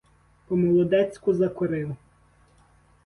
По-молодецьку закурив: